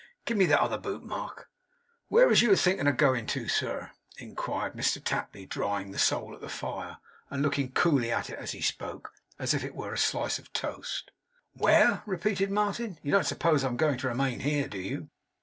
Give me that other boot, Mark?' 'Where was you a thinking of going to, sir?' inquired Mr Tapley drying the sole at the fire, and looking coolly at it as he spoke, as if it were a slice of toast. 'Where!' repeated Martin. 'You don't suppose I am going to remain here, do you?